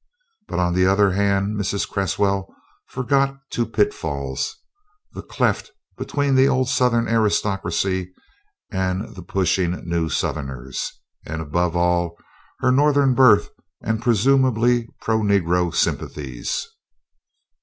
But on the other hand Mrs. Cresswell forgot two pitfalls: the cleft between the old Southern aristocracy and the pushing new Southerners; and above all, her own Northern birth and presumably pro Negro sympathies.